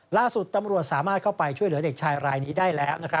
ล่าสุดตำรวจสามารถเข้าไปช่วยเหลือเด็กชายรายนี้ได้แล้ว